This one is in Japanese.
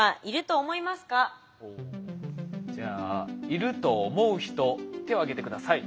じゃあいると思う人手を挙げて下さい。